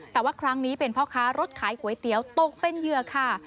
แต่ว่าครั้งนี้เป็นพ่อค้ารถขายก๋วยเตี๋ยวตกเป็นเหยื่อค่ะ